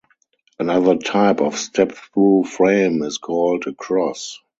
Another type of step-through frame is called a "cross".